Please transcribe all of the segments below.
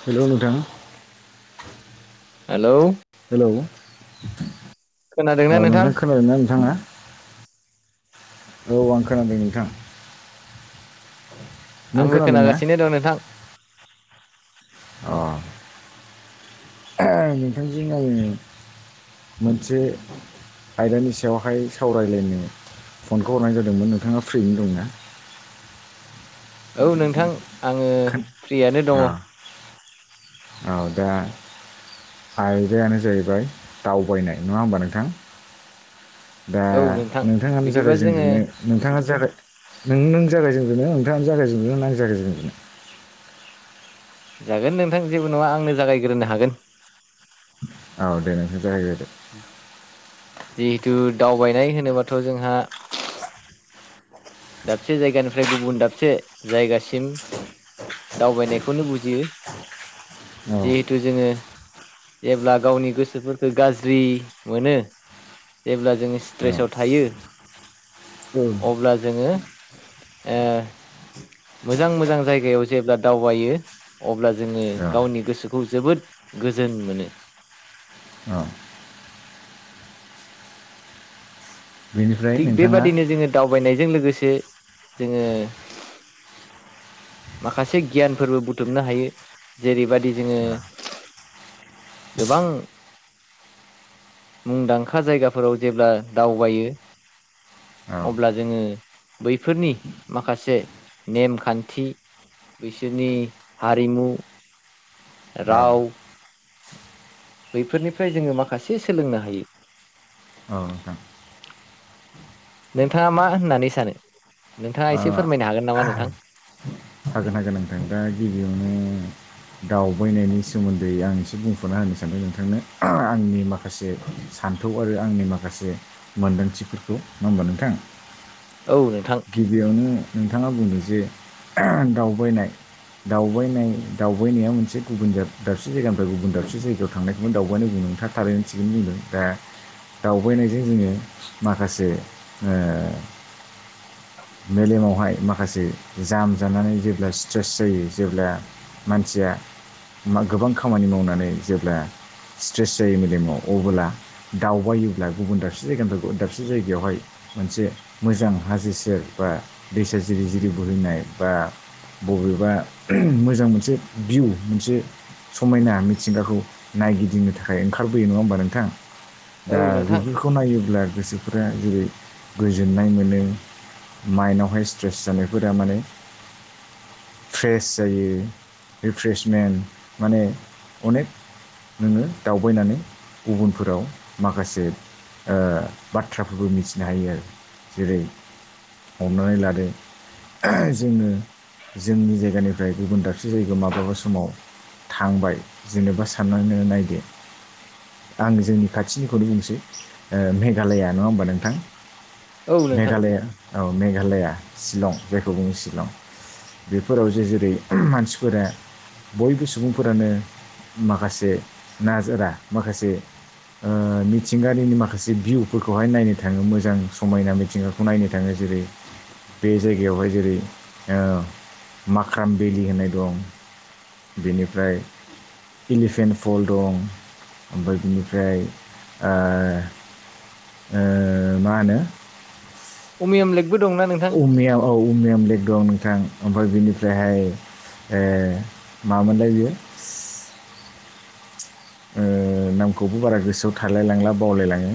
हेल नोंथां hello hello औ नोंथां खोनादों ना नोंथाङा औ आं खोनादों नोंथां नों आंबो खोनादोंना खोनागासिनो दं नोंथां अ आं नोंथांजों नाय मोनसे आयदानि सायावहाय सावरायलायनो फनखौ हरनाय जादोंमोन नोंथाङा फ्रिनो दंना औ नोंथां आङो खोन फ्रियानो अ दङ औ दा आयदायानो जाहैबाय दावबायनाय नङा होमबा नोंथां दा औ नोंथां नोंथाङानो बिदिबा जाबाय जों जोङो बिनो नोंथाङा जाबाय नों नों जागायजेगोना नोंथाङानो जागायजेननो ना आं जागायजेननो जागोन नोंथां जेबो नङा आंनो जागायग्रोनो हागोन औ दे नोंसोर जाहगो उ जिहेथु दावबायनाय होनोबाथ जोंहा दाबसे जायगानिफ्राय गुबुन दाबसे जायगासिम दावबायनायखौनो बुजियो जिहेथु जोङो जेब्ला गावनि गोसोफोरखौ गाज्रि मोनो जेब्ला जोङो स्ट्रेसाव थायो औ अब्ला जोङो मोजां मोजां जायगायाव जेब्ला दावबायो अब्ला जोङो औ गावनि गोसोखौ जोबोद गोजोन मोनो औ बेनिफ्राय थिग नोंथाङा बेबादिनो जोङो दावबायनायजों लोगोसे जोङो माखासे गियानफोरबो बुथुमनो हायो जेरैबायदि जोङो गोबां मुंदांखा जायगाफोराव जेब्ला दावबायो [inaudible] अब्ला जोङो बैफोरनि माखासे नेमखान्थि बिसोरनि हारिमु राव बैफोरनिफ्राय जोङो माखासे सोलोंनो हायो औ नोंथां नोंथाङा मा होननानै सानो नोंथाङा ओ, एसे फोरमायनो हागोन नामा नोंथां हागोन हागोन नोंथों दा गिबियावनो दावबायनायनि सोमोन्दै आं एसे बुंफुरना होनो सानदों नोंथांनो आंनि माखासे सान्थौ आरो आंनि माखासे मोन्दांथिफोरखौ नङा होनबा नोंथां औ नोंथां गिबियावनो नोंथाङा बुंदों जे दावबायनाय दावबायनाय दावबायनाया मोनसे गुबुन दाबसे जायगानिफ्राय गुबुन दाबसे जायगायाव थांनायखौ दावबाय बुदों नोंथाङा थारै थिगखौनो बुंदों दा दावबायनायजों जोङो माखासे मेलेमावहाय माखासे जाम जानानै जेब्ला स्ट्रेस जायो जेब्ला मानसिया गोबां खामानि मावनानै जेब्ला स्ट्रेस जायो मेलेमाव अबोला दावबायोब्ला गुबुन दाबसे जायगानिफ्राय दाबसे जायगायावहाय मोनसे मोजां हाजो सेर बा दैसा जिरि जिरि बोहैनाय बा बबेबा मोजां मोनसे भिउ मोनसे समायना मिथिंगाखौ नायगिदिंनो थाखाय ओंखारबोयो नङा होमबा नोंथां औ दा नोंथां बेफोरखौ नायोब्ला गोसो फोरा जेरै गोजोननाय मोनो माइनदआवहाय स्ट्रेस जानायफोरा माने [inaudible] फ्रेस जायो रिफ्र्रेसमेन्ट माने अनेक नोङो दावबायनानै गुबुनफोराव माखासे बाथ्राफोरबो मिथिनो हायो आरो जेरै हमनानै लादो जोङो जोंनि जायगानिफ्राय गुबुन दाबसे जायगायाव माब्लाबा समाव थांबाय जेनेबा साननानै नायदो आं जोंनि खाथिनिखौनो बुंसै मेघालया नङा होमबा नोंथां औ नोंथां मेघालया औ मेघालया शिलं जायखौ बुङो शिलं बेफोराव जे जेरै मानसिफोरा बयबो सुबुंफोरानो माखासे नाजारा माखासे मिथिंगानिनि माखासे भिउफोरखौहाय नायनो थाङो मोजां समायना मिथिंगाखौ नायनो थाङो जेरै बे जायगायावहाय जेरै माख्राम बिलि होननाय दं बेनिफ्राय इलिफेन्ट फल दं ओमफ्राय बिनिफ्राय ओ मा होनो अमियम लेकबो दंना नोंथां अमिया औ उमियाम लेक दं नोंथां ओमफ्राय बिनिफ्रायहाय मामोनलाय बियो ओ नामखौबो बारा गोसोआव थालायलांला बावलायलाङो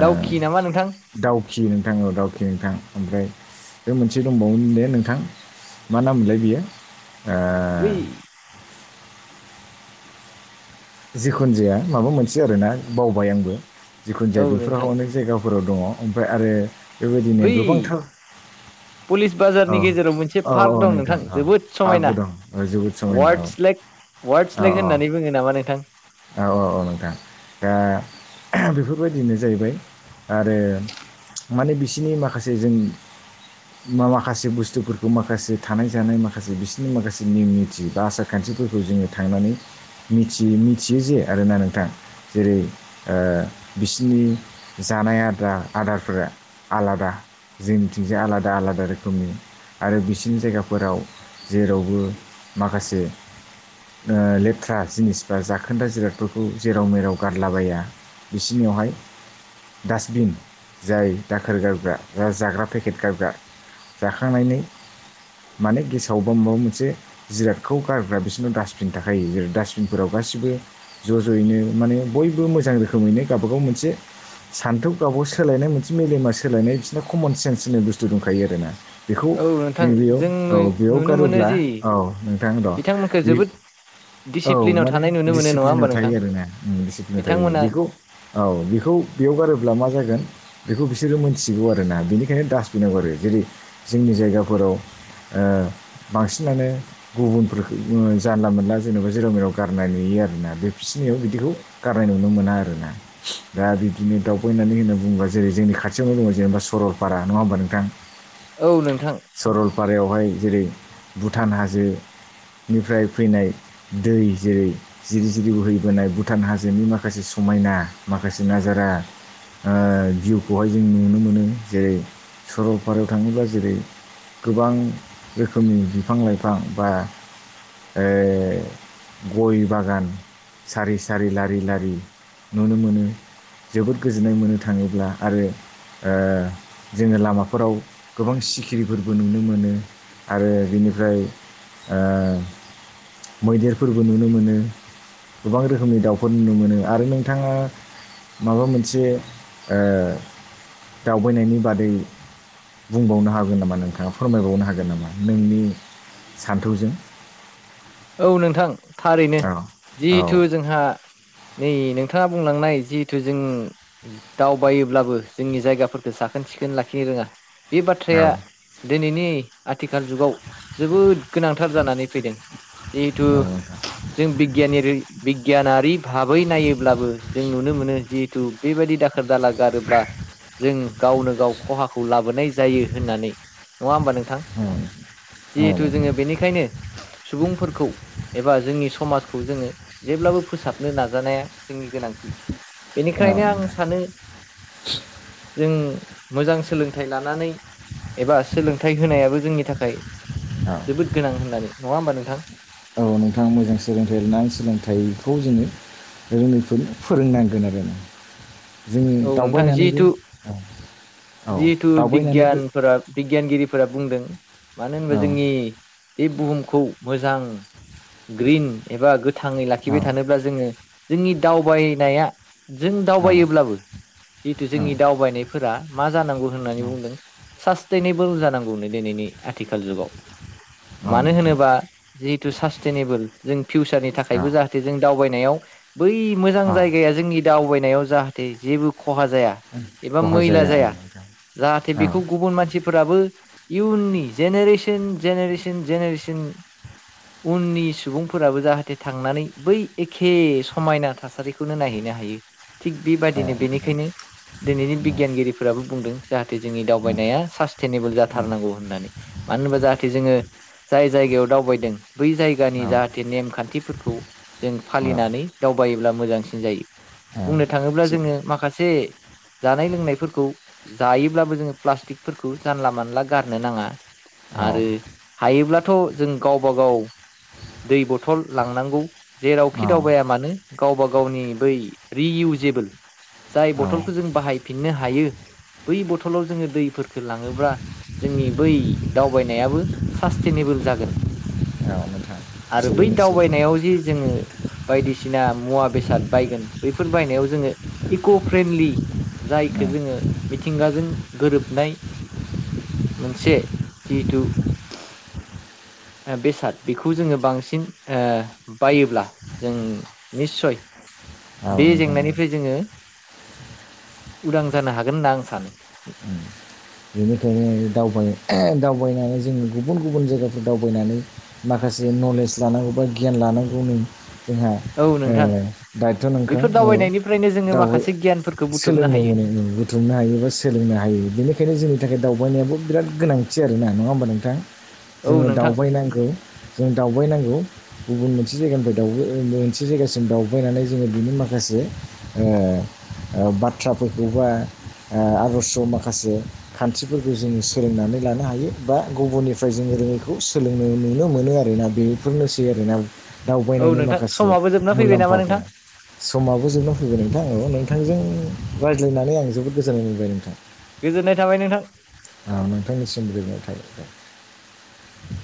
दाउखि नामा नोंथां दावखि नोंथां औ दउखि नोंथां ओमफ्राय बे मोनसे दंबावोमोन दे नोंथां मा नाम मोनलाय बियो ओ [unintelligible] जिखुनु जाया माबा मोनसे आरोना बावबाय आंबो जिखुन औ जाया बेफोराव नोंथां अनेक जायगाफोराव दङ ओमफ्राय आरो बेबायदिनो बै गोबांथार पुलिस औ बाजारनि गेजेराव मोनसे औ औ पार्क दं नोंथां औ जोबोद पार्कबो समायना दं औ जोबोद समायना औ वार्डस स्लेक वार्डस स्लेग होननानै बुङो नामा नोंथां औ-औ-औ नोंथां दा बेफोरबायदिनो जाहैबाय आरो माने बिसिनि माखासे जों माखासे बुस्थुफोरखौ माखासे थानाय जानाय माखासे बिसोरनि माखासे नियम निथि बा आसार खान्थि फोरखौ जोङो थांनानै मिथि मिथियो जे आरोना नोंथां जेरै बिसिनि जानाय आद्रा आदारफोरा आलादा जों मिथिंजाय आलादा आलादा रोखोमनि आरो बिसिनि जायगाफोराव जेरावबो माखासे लेथ्रा जिनिसफ्रा जा खोनदा जिरादफोरखौ जेराव मेराव गारलाबाया बिसोरनियावहाय डास्टबिन जाय दाखोर गारग्रा जाग्रा पेकेट गारग्रा जाखांनायनि माने गेसावबा माबा मोनसे जिरादखौ गारग्रा बिसोरनाव डास्टबिन थाखायो जेरै डास्टबिनफोराव गासिबो ज' ज'यैनो माने बयबो मोजां रोखोमैनो गावबागाव मोनसे सान्थौ गावबा गाव सोलायनाय मोनसे मेलेमा सोलायनाय बिसना कमन सेन्स होननाय बुस्थु दंखायो आरोना बेखौ औ नोंथां नैबेयाव जों औ बेयाव नुनो मोनो गारोब्ला जि औ नोंथां दं बे दिडिसिप्लिनाव थानाय नु दिडिसिप्लिनाव थायो आरोना डिसिप्लिनाव थायो बिथांमोना बेखौ औ बेखौ बेयाव गारोब्ला मा जागोन बेखौ बिसोरो मोनथिगौ आरो ना बेनिखायनो दडास्टबिनाव गारो जेरै जोंनि जायगाफोराव बांसिनानो गुबुनफोरखौ जानला मोनला जेनेबा जेराव मेराव गारनानै नुयो आरोना बिसिनाव बिदिखौ गारनाय नुनो मोना आरोना दा बिदिनो दावबायनानै होन बुंङोबा जेरै जोंनि खाथियावनो दं जेनेबा सरलपार नङा होनोमबा नोंथां औ नोंथां बारायावहाय जेरै भुटान हाजो निफ्राय फैनाय दै जेरै जिरि जिरि बोहैबोनाय भुटान हाजोनि माखासे समायना माखासे नाजारा जिउखौहाय जों नुनो मोनो जेरै सरलपारायाव थाङोबा जेरै गोबां रोखोमनि बिफां लाइफां बा ए गय बागान सारि सारि लारि लारि नुनो मोनो जोबोद गोजोननाय मोननो थाङोब्ला आरो जोङो लामाफोराव गोबां सिखिरिफोरबो नुनो मोनो आरो बिनिफ्राय मैदेरफोरबो नुनो मोनो गोबां रोखोमनि दाउफोर नुनो मोनो आरो नोंथाङा माबा मोनसे दावबायनायनि बादै बुंबावनो हागोन नामा नोंथाङा फोरमायबावनो हागोन नामा नोंनि सान्थौजों औ नोंथां थारैनो औ औ जिहेथु जोंहा नै नोंथाङा बुंलांनाय जिहेथु जों दावबायोब्लाबो जोंनि जायगाफोरखौ साखोन सिखोन लाखिनो रोङा बे औ बाथ्राया औ दिनैनि आथिखाल जुगाव जोबोद गोनांथार जानानै फैदों जिहेथु नोंथां जों बिगियान बिगियानारि भाबै नायोब्लाबो जों नुनो मोनो जिहेथु बेबायदि दाखोर दाला गारोब्ला जों गावनो गाव खहाखौ लाबोनाय जायो होननानै नङा होमबा नों औ जिहेथु नोंथां जोङो बेनिखायनो सुबुंफोरखौ एबा जोंनि समाजखौ जोङो जेब्लाबो फोसाबनो नाजानाया जोंनि गोनांथि औ बेनिखायनो आं नोंथां सानो जों मोजां सोलोंथाइ लानानै एबा सोलोंथाइ होनायाबो जोंनि थाखाय औ जोबोद गोनां होननानै नङा होमबा नोंथां औ नोंथाङा मोजां सोलोंथाइ लानानै सोलोंथाइखौ जोङो रोङैफोरनो फोरोंनांगोन आरो ना जों दावबायनानैबो औ जिहेतु दावबायनानैबो बिगियानफोरा बिगियानगिरिफोरा बुंदों मानो होनोबा औ जोंनि बे बुहुमखौ मोजां ग्रिन एबा गोथाङै औ लाखिबाय थानोब्ला जोङो जोंनि दावबायनाया जों औ दावबायोब्लाबो जिहेतु जोंनि दावबायनायफोरा मा जानांगौ होननानै औ बुंदों सास्टेनेबोल जानांगौनो दिनैनि आथिखाल जुगाव औ मानो नोंथां होनोबा जिहेतु सास्टेनेबोल जों फिउचारनि थाखायबो औ जाहाथे जों दावबायनो बै मोजां औ जायगाया जोंनि दावबायनायाव जाहाथे जेबो खहा जाया एबा खहा मैला औ जाया नोंथां जाहाथे औ बेखौ गुबुन मानसि फोराबो इयुननि जेनेरेसन जेनेरेसन जेनेरेसन उननि सुबुंफोराबो जाहाथे थांनानै बै एखे समायना थासारिखौनो नायहैनो ह थिग औ बेबायदिनो बेनिखायनो दिनैनि बिगियानगिरिफोराबो बुंदों जाहाथे जोंनि दावबायनाया सासटेनेबोल जाथारनांगौ होननानै मानो होनोबा जाहाथे जोङो जाय जायगायाव दावबायदों बै जायगानि औ जाहाथे नेमखान्थिफोरखौ जों औ फालिनानै दावबायो मोजांसिन जायो औ बुंनो थाङोब्ला थिग जोङो माखासे जानाय लोंनायफोरखौ जायोब्लाबो जोङो प्लास्टिकफोरखौ जानला मानला गारनो नाङा औ आरो हायोब्लाथ' जों गावबा गाव दै बथल लांनांगौ जेरावखि औ दावबायाया मानो गावबा गाव गावनि बै रियउजेबोल जाय औ बथलखौ जों बाहायफिननो हायो बै बथलाव जोङो दैफोरखौ लाङोब्ला जोंनि बै दावबायनायाबो सास्टेनेबोल जागोन नोंथां आरो बै थिगैनो सैथो दावबायनायाव जे जोङो बायदिसिना मुवा बेसाद बायगोन बैफोर बायनायाव जोङो इक' फ्रेन्डलि जायखौ औ जोङो मिथिंगाजों गोरोबनाय मोनसे जिथु बेसाद बेखौ जोङो बांसिन बायोब्ला जों निस्सय बे औ नोंथां औ जेंनानिफ्राय जोङो उदां जानो हागोन होनना आं सानो बेनिखायनो दावबाय दावबायनानै जोंङ गुबुन गुबुन जायगाफोर दावबायनानै माखासे नलेज लानांगौ बा गियान लानांगौ नों जोंहा औ नोंथां दायथ' नोंथां बेफोर औ दावबायनायनिफ्रायनो जोङो दावहै माखासे गियानफोरखौ बुथुमनो सोलोंनो हायो मोनो बुथुमनो हायो बा सोलोंनो हायो बिदिनो बेखायनो जोंनि थाखाय दावबायनायाबो बिराद गोनांथि आरो ना नङा होमबा नोंथां औ जोङो नोंथां दावबायनांगौ जों दावबायनांगौ गुबुन मोनसे जायगानिफ्राय दावउबाय मोनसे जायगासिम दावबायनानै जोङो बिनि माखासे बाथ्राफोरखौबा आदर्श' माखासे खान्थिफोरखौ जोङो सोलोंनानै लानो हायो बा गुबुननिफ्राय जोङो रोङैखौ सोलोंनो नुनो मोनो आरोना बेफोरनोसै आरोना औ दावबायनायनि नोंथां माखासे समाबो जोबना फैबाय नामा नोंथां मुलाम्फाफोरा समाबो जोबनो फैगोन नोंथां नोंथांजों रायज्लायनानै आं जोबोद गोजोननाय मोनबाय नोंथां गोजोननाय थाबाय नोंथां औ नोंथांनिसि गोजोनाय थायो